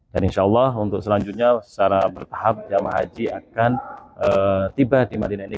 dan insya allah untuk selanjutnya secara bertahap jamah haji akan tiba di madinah ini